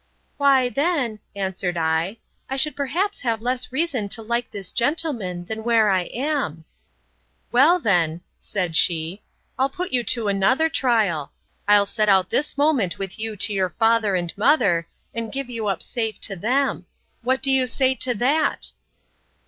Why, then, answered I, I should perhaps have less reason to like this gentleman, than where I am. Well then, said she, I'll put you to another trial. I'll set out this moment with you to your father and mother, and give you up safe to them. What do you say to that?